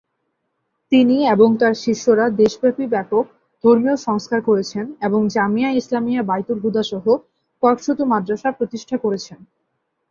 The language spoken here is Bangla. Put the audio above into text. তিনি এবং তার শিষ্যরা দেশব্যাপী ব্যাপক ধর্মীয় সংস্কার করেছেন এবং জামিয়া ইসলামিয়া বায়তুল হুদা সহ কয়েকশত মাদ্রাসা প্রতিষ্ঠা করেছেন।